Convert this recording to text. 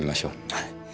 はい。